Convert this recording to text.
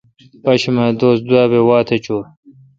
پاشمہ دوس دوابہ واتھ چوں ۔